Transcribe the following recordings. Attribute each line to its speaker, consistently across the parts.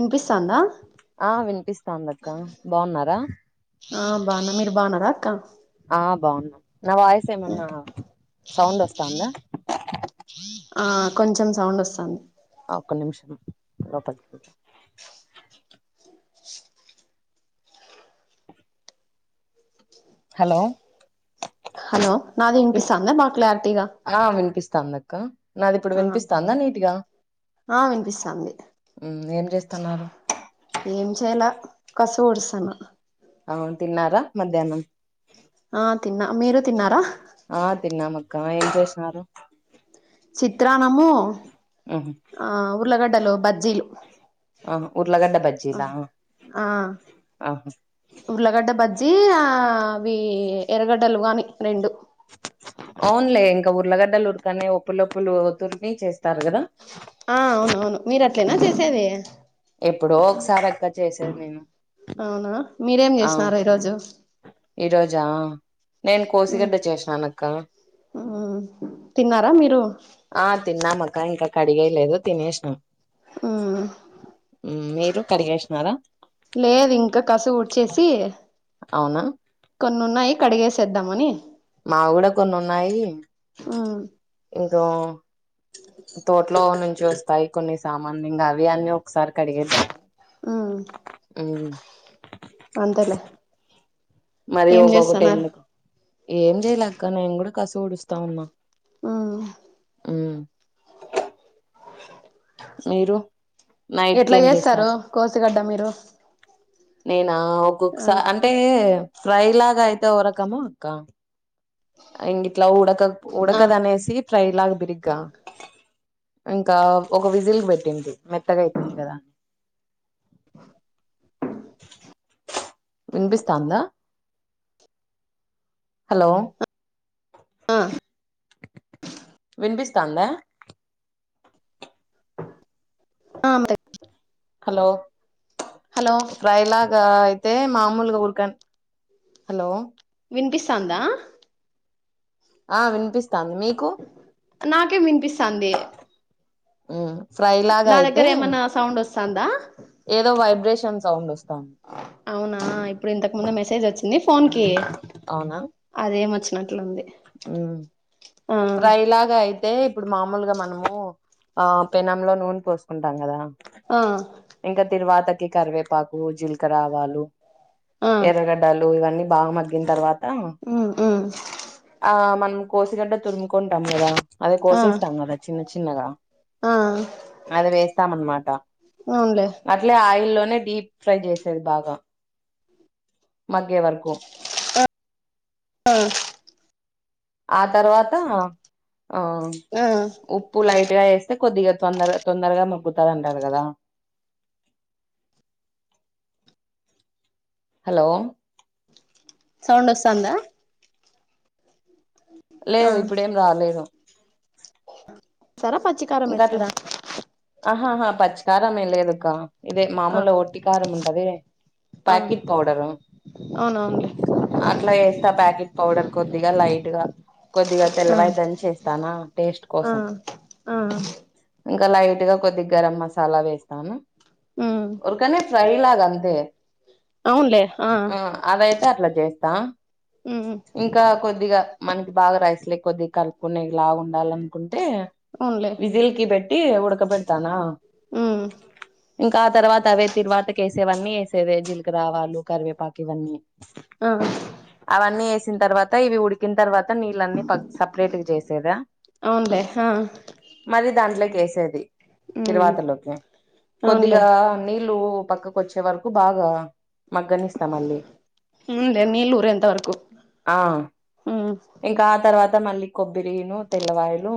Speaker 1: ఇనిపిస్తాందా
Speaker 2: ఆ వినిపిస్తాందక్క బావున్నారా
Speaker 1: ఆ బావున్న మీరు బావున్నరా అక్క
Speaker 2: ఆ బావున్నం నా వాయిస్ ఏమన్నా సౌండ్ ఒస్తాందా
Speaker 1: ఆ కొంచెం సౌండ్ ఒస్తాంది
Speaker 2: ఒక్క నిమిషం లోపలికి పోయ్ హలో
Speaker 1: హలో నాది
Speaker 2: ఇప్
Speaker 1: ఇనిపిస్తాందా బాగ్ క్లారిటీగా
Speaker 2: ఆ వినిపిస్తాందక్క నాది ఇప్పుడు
Speaker 1: ఆ
Speaker 2: వినిపిస్తాందా నీట్ గా
Speaker 1: ఆ వినిపిస్తాంది
Speaker 2: మ్ ఏం చేస్తాన్నారు
Speaker 1: ఏం చేయాలె కస్సు వొడుస్తానా
Speaker 2: అవును తిన్నారా మధ్యాహ్నం
Speaker 1: ఆ తిన్న మీరు తిన్నారా
Speaker 2: ఆ తిన్నామక్క ఏం చేషినారు
Speaker 1: చిత్రాన్నము ఆ ఉర్లగడ్డలు బజ్జీలు
Speaker 2: అవును ఉర్లగడ్డ దగ్
Speaker 1: ఆ
Speaker 2: ఆహా
Speaker 1: ఉర్లగడ్డ బజ్జీ ఆ అవీ ఎర్రగడ్డలు గానీ రెండు
Speaker 2: అవునులే ఇంక ఉర్లగడ్డలు ఉరకని ఉప్పులొప్పులు తుర్ని చేస్తారు గదా
Speaker 1: ఆ అవును అవును మీరు అట్లేనా చేసేది
Speaker 2: ఎప్పుడో ఒకసారి అక్క చేసేది నేను
Speaker 1: అవునా మీరేం చేసినారు ఈరోజు
Speaker 2: ఈరోజా నేను కోసిగడ్డ చేసానను అక్కా
Speaker 1: మ్ తిన్నారా మీరు
Speaker 2: ఆ తిన్నామక్క ఇంక కడిగేలేదు తినేషినాం
Speaker 1: ఉమ్
Speaker 2: ఉం మీరు కడిగేషినారా
Speaker 1: లేదు ఇంక కసు ఉడ్చేసీ
Speaker 2: అవునా
Speaker 1: కొన్నున్నాయి కడిగేసేద్దామని
Speaker 2: మావి గూడ కొన్ని ఉన్నాయి
Speaker 1: ఉమ్
Speaker 2: ఏదో తోటలో నుంచి వస్తాయి కొన్ని సామాన్లు ఇంగా అవి అన్ని ఒకసారి కడిగేదామని
Speaker 1: ఉమ్
Speaker 2: ఉమ్
Speaker 1: అంతెలే
Speaker 2: మరీ ఒకొకటి ఎందుకు ఏం జెయలే అక్క నేను గూడ కసు ఉడుస్తా ఉన్నా
Speaker 1: ఉమ్
Speaker 2: ఉమ్ మీరు నైట్
Speaker 1: ఎట్లా
Speaker 2: కేం
Speaker 1: చేస్తారు
Speaker 2: జేస్తారు
Speaker 1: కోసిగడ్డ మీరు
Speaker 2: నేనా
Speaker 1: ఆ
Speaker 2: ఒక్కొక్కసా అం అటే ఫ్రై లాగా అయితే ఓ రకము అక్క ఇంగిట్లా ఉడక
Speaker 1: ఆ
Speaker 2: ఉడకదనేసి ఫ్రై లాగా బిరిగా ఇంకా ఒక విజిల్ పెట్టింది మెత్తగయితుంది గదా వినిపిస్తాందా హలో
Speaker 1: ఆ
Speaker 2: వినిపిస్తాంద
Speaker 1: అమేదగ్గర
Speaker 2: హలో ఫ్రై ల గ అయితే మామూలుగా ఉడ్కా హలో
Speaker 1: వినిపిస్టాందా
Speaker 2: ఆ వినిపిస్తాంది మీకు
Speaker 1: నాకే వినిపిస్థాది
Speaker 2: ఉమ్ ఫ్రై లాగా
Speaker 1: నా
Speaker 2: అయితే
Speaker 1: దగ్గర ఏమన్నా సౌండ్ వస్తాందా
Speaker 2: ఏదో వైబ్రేషన్ సౌండోస్
Speaker 1: అవునా ఇప్పుడు ఇంతకు ముందే మెసేజ్ వచ్చింది ఫోన్కి
Speaker 2: అవునా
Speaker 1: అదే మచ్చినట్లుంది
Speaker 2: ఉమ్ ఫ్రైలాగై తే ఇప్పుడు మామూలుగా మనము ఆ పెనంలో నూనె పోసుకుంటాం గదా
Speaker 1: ఆ
Speaker 2: ఇంకా తిరువాతకి కరివేపాకు జీలకరావాలు
Speaker 1: ఆ
Speaker 2: ఎర్రగడ్డాలు ఇవన్నీ బాగా మగ్గిన తర్వాత
Speaker 1: ఉమ్ ఉమ్
Speaker 2: ఆ మనం కోసిగడ్డ తురుముకుంటాం గద అదే
Speaker 1: ఆ
Speaker 2: కోసేస్తంగద చిన్న చిన్నగా
Speaker 1: ఆ
Speaker 2: అది వేస్తామనమట అ
Speaker 1: అవునులే
Speaker 2: అట్లే ఆయిల్లోనే డీప్ ఫ్రై చేసేది బాగా మగ్గే వరకు
Speaker 1: ఆ
Speaker 2: ఆ తర్వాత ఉమ్
Speaker 1: ఆ
Speaker 2: ఉప్పు లైట్గా ఎస్తే కొద్దిగా తొందరగా తొందరగా మగ్గుతారంటారు గద హలో
Speaker 1: సౌండ్ అస్తందా
Speaker 2: లేదు ఇప్పుడెం రాలేదు
Speaker 1: సర పచి
Speaker 2: ఇంకట్ల ఆహాహా పచ్చకారమేం లేదక్క ఇదే
Speaker 1: ఆ
Speaker 2: మాముూలుగ ఒట్టి కారముంటది
Speaker 1: ఆ
Speaker 2: ప్యాకిట్ పౌడరు
Speaker 1: అవునవునులే
Speaker 2: అట్లా ఏస్తా ప్యాకెట్ పౌడర్ కొద్దిగా లైట్ గా కొద్దిగా
Speaker 1: ఆ
Speaker 2: తెల్లవయి దంచి ఎస్తానా టేస్ట్
Speaker 1: ఆ
Speaker 2: కోసం
Speaker 1: ఆ
Speaker 2: ఇంకా లైట్ గా కొద్దిగా గరం మసాలా వేస్తాను
Speaker 1: ఉమ్
Speaker 2: ఉరకనే ఫ్రై లాగంతే
Speaker 1: అవునులే ఆ
Speaker 2: అదైతే అట్లా చేస్తా
Speaker 1: ఉమ్
Speaker 2: ఇంకా కొద్దిగ మనకి బాగా రైస్లే కి కొద్ది కలుపుకునేలాగా ఉండాల అనుకుంటే
Speaker 1: అవునులే
Speaker 2: విజిల్కి బెట్టి ఉడకబెడతానా
Speaker 1: ఉమ్
Speaker 2: ఇంకా ఆ తర్వాత అవే తిరువాతకి ఏసేవన్నీ ఏసేదే జీలకరావాలు కరివేపాకు ఇవన్నీ
Speaker 1: ఆ ఆ
Speaker 2: అవన్నీ ఏసిన తర్వాత ఇవి ఉడికిన తర్వాత్ త్త నీళ్ళన్నీ పక్ సపరేట్ గా జేసేదా
Speaker 1: అవునులే ఆ
Speaker 2: మరి దాంట్లోకి ఏసేది
Speaker 1: ఉమ్
Speaker 2: తిరువాతలోకి
Speaker 1: అవునులే
Speaker 2: కొద్దిగా నీళ్ళు పక్కక్ కొచ్చే వరకు బాగా మగ్గనిస్తా మళ్ళీ
Speaker 1: ఊమ్ లే నీళ్ళు ఊరెంత వరకు
Speaker 2: ఆ
Speaker 1: ఉమ్
Speaker 2: ఇంకా ఆ తర్వాత మళ్ళీ కొబ్బిరిను తెల్లవాయిలు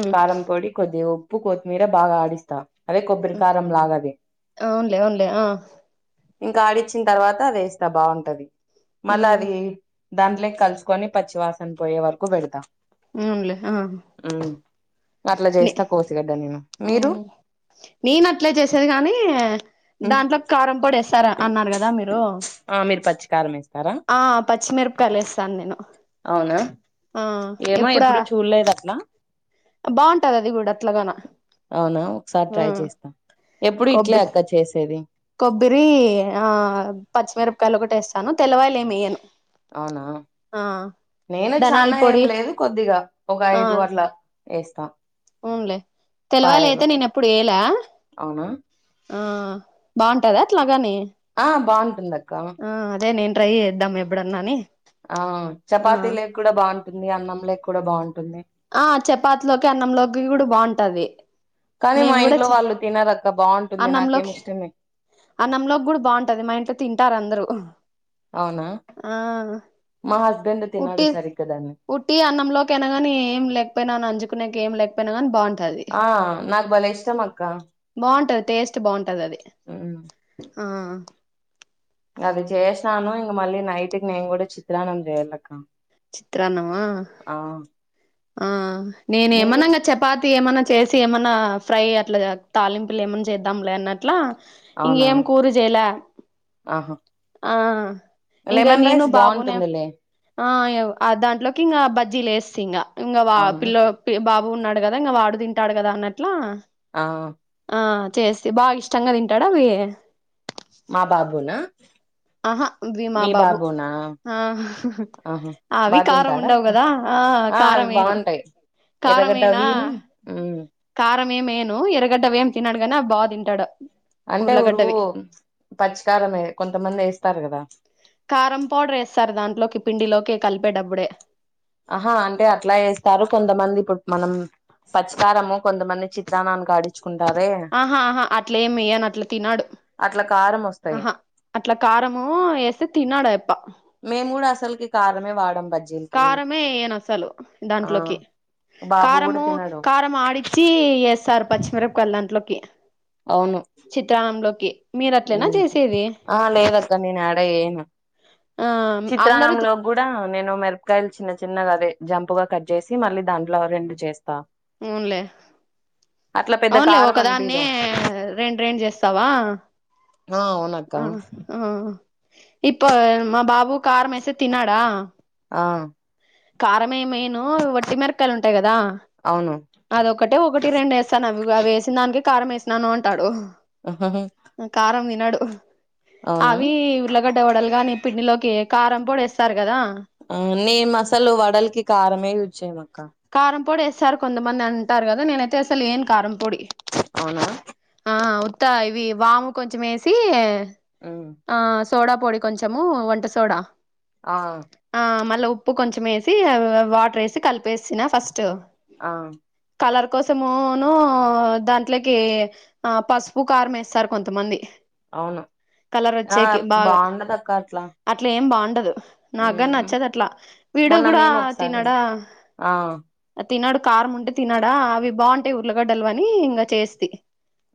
Speaker 1: ఉమ్
Speaker 2: కారం పొడి కొద్దిగ ఉప్పు కొత్తిమీర బాగా ఆడిస్తా అదే కొబ్బరి కారం లాగది
Speaker 1: అవునులే అవునులే ఆ
Speaker 2: ఇంకా ఆడిచ్చిన్ తర్వాత అది ఏస్తా బావుంటది మళ్ళా
Speaker 1: ఉమ్
Speaker 2: అది దాంట్లేకి కలుసుకొని పచ్చివాసన పోయే వరకు పెడతాం
Speaker 1: అవున్లే హ హ హ
Speaker 2: మ్ అట్ల జేస్తా కోసిగడ్డ నేను మీరు
Speaker 1: నేను అట్లే చేసేది గానీ దాంట్లోక్ కారం పొడి ఏస్తారా అన్నారు గదా మీరు
Speaker 2: ఆ మీరు పచ్చికారం ఏస్తారా
Speaker 1: ఆ పచ్చిమిరపకాయలు ఏస్తాను నేను
Speaker 2: అవునా
Speaker 1: ఆ
Speaker 2: ఏమో ఎప్పుడు చూడ్లేదు అట్లా
Speaker 1: బావుంటది అది గూడ అట్లగానా
Speaker 2: అవునా ఒకసారి ట్రై చేస్తా ఎప్పుడు ఇట్లే
Speaker 1: కొబ్బి
Speaker 2: అక్క చేసేది
Speaker 1: కొబ్బరి ఆ పచ్చిమిరపకాయలు ఒకటేస్తాను తెల్లవాయలు ఏమేయ్యను
Speaker 2: అవునా నేను
Speaker 1: ధనాల
Speaker 2: చానా ఏం
Speaker 1: పొడి
Speaker 2: లేదు కొద్దిగా ఒక ఐదు అట్ల ఏస్తా
Speaker 1: అవున్లే తెల్లవాయలు అయితే నేను ఎప్పుడు ఏయలే
Speaker 2: అవునా
Speaker 1: ఆ బావుంటదా అట్లాగానీ
Speaker 2: ఆ బావుంటుంది అక్క
Speaker 1: ఆ అదే నేను ట్రై జేద్దం ఎప్పుడన్న అని
Speaker 2: ఆ చపాతి లేకూడ బావుంటుంది అన్నం లేకూడ బావుంటుంది
Speaker 1: ఆ చపాతిలోకి అన్నంలోకి కూడ బావుంటాది
Speaker 2: కానీ మా ఇంట్లో వాళ్ళు తినరక్క బావుంటుంది నాకేం
Speaker 1: అన్నంలోకి
Speaker 2: ఇష్టమే
Speaker 1: అన్నంలోకి గూడ బావుంటది మా ఇంట్లో తింటారు అందరూ
Speaker 2: అవునా
Speaker 1: ఆ
Speaker 2: మా హస్బెండ్ తినడు సరిగ్గ దాన్ని
Speaker 1: వుట్టిగ అన్నంలోకైనా గానీ ఏం లేకపోయినా నంజుకునేకి ఏం లేక్ పోయినా గాని బావుంటాది
Speaker 2: ఆ నాక్ భలే ఇష్టం అక్క
Speaker 1: బావుంటది టేస్ట్ బావుంటదది
Speaker 2: ఉమ్,
Speaker 1: ఆ
Speaker 2: అది చేసాను, ఇంగ మళ్ళీ నైటుకి నేను గూడ చిత్రాన్నం చేయాలక్క
Speaker 1: చిత్రాన్నమా
Speaker 2: ఆ
Speaker 1: ఆ
Speaker 2: మీరు
Speaker 1: నేనేమన్నంగ చెప్ పాతి ఏమన్నా చేసి ఏమన్న ఫ్రై అట్ల తాలింపులు ఏమన్న చేద్దాంలే అన్నట్లా ఇంగ
Speaker 2: అవునా
Speaker 1: ఏం కూర జేయలా
Speaker 2: ఆహా
Speaker 1: ఆ ఇంగ
Speaker 2: లెమన్
Speaker 1: నేను
Speaker 2: రైస్
Speaker 1: బాబునే
Speaker 2: బాగుంటుందిలే
Speaker 1: ఆ ఇగ అ దాంట్లొకి ఇంగా బజ్జీలు ఎస్త ఇంగా వా
Speaker 2: అవునా
Speaker 1: పిల్ల పి బాబు ఉన్నాడు గదా ఇంగ వాడు తింటాడు గదా అన్నట్లా
Speaker 2: ఆ
Speaker 1: ఆ చేస్తి బాగా ఇష్టంగా తింటాడా అవి?
Speaker 2: మా బాబునా
Speaker 1: ఆహా వి మా
Speaker 2: మీ
Speaker 1: బాబు
Speaker 2: బాబునా?
Speaker 1: ఆ
Speaker 2: ఆహా,
Speaker 1: అవి
Speaker 2: బా
Speaker 1: కారం
Speaker 2: తింటాడా
Speaker 1: ఉండవు
Speaker 2: అక్క
Speaker 1: కదా
Speaker 2: ఆ
Speaker 1: కారం
Speaker 2: అవి
Speaker 1: వేయను
Speaker 2: బావుంటయ్,
Speaker 1: కారం
Speaker 2: ఎర్రగడ్డ
Speaker 1: వేయనా
Speaker 2: అవీను మ్
Speaker 1: కారం ఏం ఏయను, ఎర్రగడ్డ అవి ఏం తినడు గాని అవి బా తింటాడు.
Speaker 2: అంటే ఉరువు
Speaker 1: ఉర్లగడ్డవి
Speaker 2: పచ్చికారమే కొంతమంది ఏస్తారు గదా
Speaker 1: కారం పౌడర్ ఏస్తారు, దాంట్లోకి పిండిలోకి కలిపేటప్పుడే
Speaker 2: అహా అంటే అట్ల ఏస్తారు, కొంతమంది ఇప్పుడు మనం పచ్చికారము కొంతమంది చిత్రాన్నానికి ఆడి చ్చుకుంటారే
Speaker 1: ఆహ ఆహ అట్లేం ఏయను అట్ల తినడు
Speaker 2: అట్లా కారం వస్తాయి
Speaker 1: ఆహ అట్ల కారము ఏస్తే తినడు ఆయప్ప
Speaker 2: మేము గూడ అసల్కి కారమే వాడం బజ్
Speaker 1: కారమే ఏయను అసలు
Speaker 2: ఆ
Speaker 1: దాంట్లోకి
Speaker 2: బాబు కూడా
Speaker 1: కారము
Speaker 2: తినడు
Speaker 1: కారం ఆడి చ్చి ఏస్తారు పచ్చిమిరపకాయలు దాంట్లోకి
Speaker 2: అవును
Speaker 1: చిత్రాన్నంలోకి మీరు అట్లేనా
Speaker 2: మ్
Speaker 1: చేసేది
Speaker 2: ఆ లేదక్క నేను ఏడ ఏయను
Speaker 1: ఆ అందరూ
Speaker 2: చిత్రాన్నంలో గూడా నేను మిరపకాయలు చిన్న చిన్నగా అదే జంపుగా కట్ చేసి మళ్ళీ దాంట్లో రెండు చేస్తా
Speaker 1: అవున్లే
Speaker 2: అట్లా పెద్ద
Speaker 1: అవున్లే
Speaker 2: కారం అనిపిదు
Speaker 1: ఒకదాన్నే రెండు రెండు చేస్తవా
Speaker 2: ఆ అవునక్క
Speaker 1: ఆ ఆ ఇప్ప మా బాబు కారమేస్తే తినడా
Speaker 2: ఆ
Speaker 1: కారమేం ఏయను వట్టి మిరకాయలు ఉంటాయి గదా
Speaker 2: అవును
Speaker 1: అదొకటే ఒకటి రెండు ఏస్తాను అవి ఏసినదానికే కారం ఏసినాను అంటాడు. కారం తినడు
Speaker 2: అవునా
Speaker 1: అవీ ఉల్లగడ్డ వడలు గానీ పిండిలోకి కారంపొడి ఏస్తారు గదా
Speaker 2: ఆ నేను అసలు వడల్కి కారమే యూజ్ చేయమక్క
Speaker 1: కారంపొడి ఏస్తారు కొంతమంది అంటారు గదా నేనైతే అసలు ఏయను కారంపొడి
Speaker 2: అవునా
Speaker 1: ఆ ఉత్త ఇవి వాము కొంచెం ఏసీ
Speaker 2: ఉమ్మ్
Speaker 1: ఆ సోడా పొడి కొంచెము, వంట సోడా
Speaker 2: ఆ
Speaker 1: ఆ మళ్ళ ఉప్పు కొంచం ఎసి అవ్ అవ్ వాటర్ ఎసి కలిపేసిన ఫస్ట్
Speaker 2: ఆ
Speaker 1: కలర్ కోసమూను దాంట్లేకి ఆ పసుపు కారం ఎస్తారు కొంతమంది
Speaker 2: అవును ఆ బావుండదక్క అట్లా
Speaker 1: అట్లేమ్ బావుండదు నాగ్గని నచ్చదట్ల వీడు
Speaker 2: మొన్న
Speaker 1: గూడా
Speaker 2: మేము ఒకసారి
Speaker 1: తినడా
Speaker 2: ఆ
Speaker 1: తినడు కారం ఉంటే తినడా అవి బావుంటాయ్ ఉల్లిగడ్డలు అని ఇంగ చేస్తి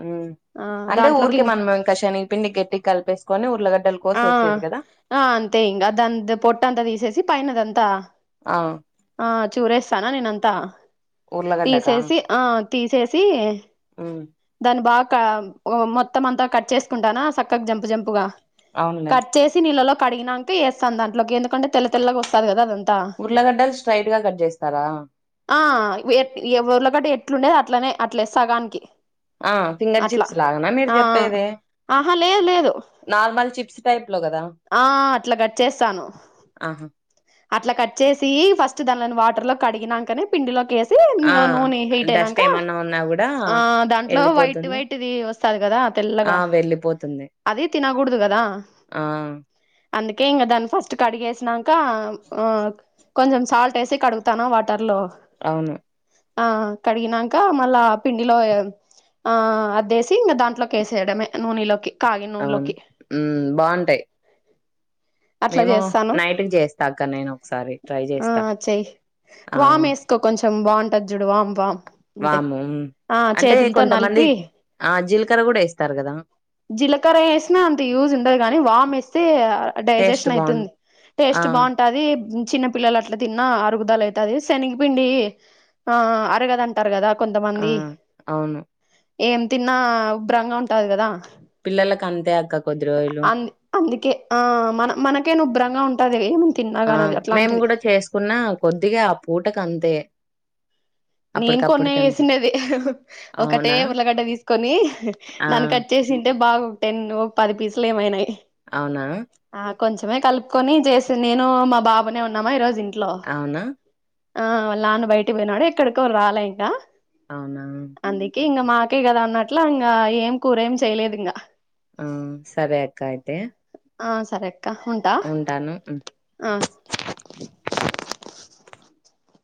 Speaker 2: ఉమ్మ్
Speaker 1: ఆ
Speaker 2: అంటే
Speaker 1: దాంట్లోకి
Speaker 2: ఊరికే
Speaker 1: ఇం
Speaker 2: మనం ఇంక శనగ పిండి గట్టి కలిపేసుకొని ఊర్లగడ్డలు
Speaker 1: ఆ
Speaker 2: కోసి ఎసేది గదా
Speaker 1: ఆ అంతే ఇంగ దద్ పొట్ట అంత తీసేసి పైన దంతా
Speaker 2: ఆ
Speaker 1: ఆ చూరేస్తానా నేనంతా
Speaker 2: ఉర్లగడ్డకా
Speaker 1: తీసేసి ఆ తీసేసి దాన్ని బా కా మొత్తం అంతా కట్ చేసుకుంటానా సక్కగా జంపు జంపుగా
Speaker 2: అవున్లే
Speaker 1: కట్ చేసి నీళ్ళలో కడిగినాంక ఎస్తాన్ దాంట్లోకి ఎందుకంటే తెల్ల తెల్లగా ఒస్తాది గదా అదంతా
Speaker 2: ఉర్లగడ్డలు స్ట్రైట్ గా కట్ జేస్తారా
Speaker 1: ఆ వు ఏ ఏట్ ఎవ ఉర్లగడ్డ ఎట్లుండేది అట్లనే అట్లే సగానికి
Speaker 2: ఆ ఫింగర్
Speaker 1: అట్లా
Speaker 2: చిప్స్ లాగనా మీరు
Speaker 1: ఆ
Speaker 2: జేప్పెది
Speaker 1: ఆహా లేదు లేదు
Speaker 2: టైప్ లో కదా
Speaker 1: ఆ అట్ల కట్ చేస్తాను
Speaker 2: ఆహా
Speaker 1: అట్ల కట్ చేసి ఫస్ట్ దంలోని వాటర్ లో కడిగినంకనే పిండిలోకేసి
Speaker 2: ఆ
Speaker 1: ఇంగ నూనె హీట్
Speaker 2: డస్ట్
Speaker 1: అయినంక
Speaker 2: ఏమన్నా ఉన్నా కూడా
Speaker 1: ఆ దాంట్లో వైట్
Speaker 2: వెళ్ళిపోతుంది
Speaker 1: వైట్ వైట్ దీ వస్తాది గదా
Speaker 2: ఆ
Speaker 1: తెల్లగా
Speaker 2: వెళ్ళిపోతుంది
Speaker 1: అదీ తినగూడదు గదా
Speaker 2: ఆ
Speaker 1: అందుకే ఇంగ దాన్ని ఫస్ట్ కడిగేసినంకా ఆ కొంచెం సాల్ట్ ఎసి కడుగు తాన వాటర్ లో
Speaker 2: అవును
Speaker 1: ఆ కడిగినాంక మళ్లా ఆ పిండిలో ఆ అదేసి ఇంగ దాంట్లో కేసేయడమే నూనిలోకి
Speaker 2: అవును ఉమ్ బావుంటయ్
Speaker 1: అట్లా
Speaker 2: మేము
Speaker 1: చేస్తాను
Speaker 2: నైట్ కు జేస్తా అక్క నేను ఒకసారి ట్రై
Speaker 1: ఆ
Speaker 2: జేస్తా
Speaker 1: చెయ్ వామ్ ఎసుకో కొంచెం బావుంటది జూడు వామ్ వామ్ అంటే
Speaker 2: వాము
Speaker 1: ఆ
Speaker 2: అంటే
Speaker 1: చేతులతో
Speaker 2: కొంతమంది
Speaker 1: నలిపి
Speaker 2: ఆ జీలకర్ర గూడ ఎస్తారు గదా
Speaker 1: జీలకర్ర ఎసినా అంత యూజ్ ఉండదు గానీ వామ్ ఎస్తే
Speaker 2: టేస్ట్
Speaker 1: డైజెషన్
Speaker 2: బాగుం
Speaker 1: అయితుంది
Speaker 2: ఆ
Speaker 1: టేస్ట్ బావుంటాది చిన్న పిల్లలు అట్ల తిన్న అరుగుదల అయితాది శనగపిండి ఆ అరగదం అంటారు గదా
Speaker 2: ఆ
Speaker 1: కొంతమంది
Speaker 2: అవును
Speaker 1: ఏం తిన్నా ఉభ్రంగా ఉంటాది గదా
Speaker 2: పిల్లలకంతే అక్క కొద్ది రోజలు
Speaker 1: అందుకే ఆ మన మనకైన ఉభ్రంగా ఉంటాది
Speaker 2: ఆ మేము గూడ చేసుకున్నా కొద్దిగా ఆ పూటకంతే
Speaker 1: నేను కొన్నా ఎసిన్నది ఒకటే
Speaker 2: అవునా
Speaker 1: ఉల్లిగడ్డ తీసుకొని
Speaker 2: ఆ
Speaker 1: దాన్ని కట్ చేసింటే బాగు టెన్ను పది పీసులు ఏమైయినయి
Speaker 2: అవునా
Speaker 1: ఆ కొంచమే కలుపుకొని జేసిన్ నేను మా బాబునే ఉన్నామా ఈరోజు ఇంట్లో
Speaker 2: అవునా
Speaker 1: ఆ వాళ్ళ నాన్న బయటికి బోయినాడు ఎక్కడికో రాలే ఇంకా
Speaker 2: అవునా
Speaker 1: అందుకే ఇంగ మాకే గదా అన్నట్లు ఇంగా ఏం కూరేమ్ చేయలేదింగా
Speaker 2: ఆ సరే అక్క అయితే
Speaker 1: ఆ సరే అక్క ఉన్న
Speaker 2: ఉంటాను ఉమ్మ్
Speaker 1: ఆ